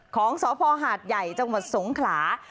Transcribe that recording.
ของสพหาดใหญ่จังหวัดสงขลา